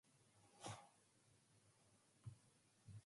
Used backwash water contains high concentrations of particulate material.